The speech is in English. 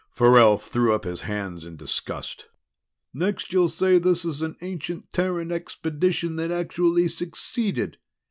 Farrell threw up his hands in disgust. "Next you'll say this is an ancient Terran expedition that actually succeeded!